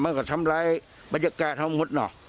มันก็ทำร้ายบรรยากาศทั้งหมดเนอะ